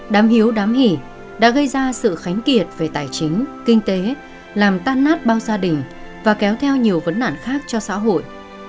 đám hiếu đám hỉ đã gây ra sự khánh kiệt về tài chính kinh tế làm tan nát bao gia đình và kéo theo nhiều vấn nạn khác cho xã hội